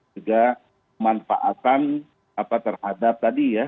juga manfaatan terhadap tadi ya